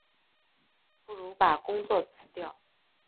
不如把工作辞掉